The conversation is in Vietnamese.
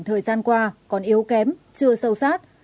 thời gian qua còn yếu kém chưa sâu sát